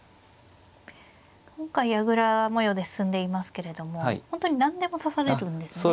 今回矢倉模様で進んでいますけれども本当に何でも指されるんですね。